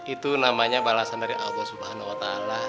itu namanya balasan dari allah swt